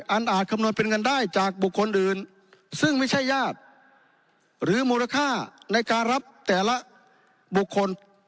อาจคำนวณเป็นเงินได้จากบุคคลอื่นซึ่งไม่ใช่ญาติหรือมูลค่าในการรับแต่ละบุคคล